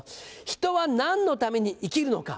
「人は何のために生きるのか」